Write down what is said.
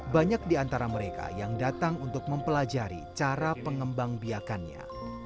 banyak di antara mereka yang datang untuk mempelajari cara pengembang biakannya